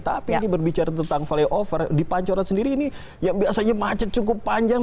tapi ini berbicara tentang flyover di pancoran sendiri ini yang biasanya macet cukup panjang